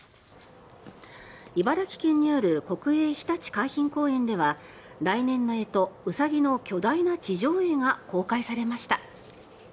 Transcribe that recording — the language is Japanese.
茨城県にある国営ひたち海浜公園では来年の干支、ウサギの巨大な地上絵が公開されました。